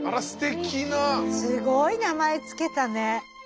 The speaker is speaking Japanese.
すごい名前付けたね。